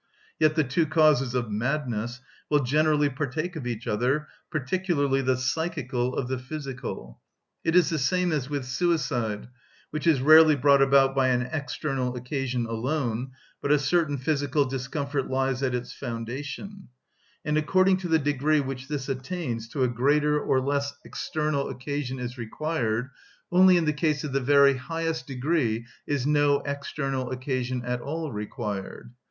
Yet the two causes of madness will generally partake of each other, particularly the psychical of the physical. It is the same as with suicide, which is rarely brought about by an external occasion alone, but a certain physical discomfort lies at its foundation; and according to the degree which this attains to a greater or less external occasion is required; only in the case of the very highest degree is no external occasion at all required.